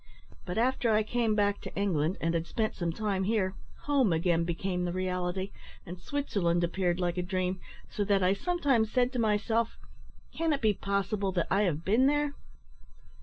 But after I came back to England, and had spent some time here, home again became the reality, and Switzerland appeared like a dream, so that I sometimes said to myself, `Can it be possible that I have been there!'